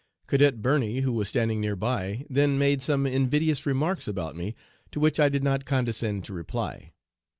Cadet Birney, who was standing near by, then made some invidious remarks about me, to which I did not condescend to reply.